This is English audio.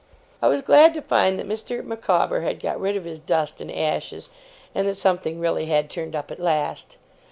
I was glad to find that Mr. Micawber had got rid of his dust and ashes, and that something really had turned up at last.